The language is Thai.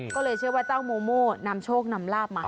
ก็เลยเชื่อว่าเจ้าโมโม่นำโชคนำลาบมา